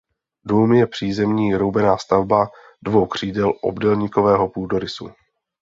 Dům je přízemní roubená stavba dvou křídel obdélníkového půdorysu.